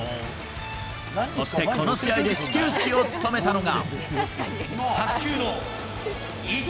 そして、この試合で始球式を務めたのが。